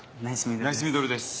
ナイスミドルです。